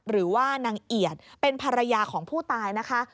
หรือว่านางเอียดเป็นภรรยาของผู้ตายนะคะ